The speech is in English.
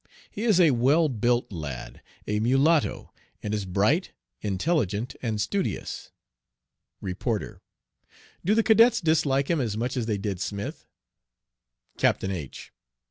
He is a well built lad, a mulatto, and is bright, intelligent, and studious. "Reporter. Do the cadets dislike him as much as they did Smith? "Captain H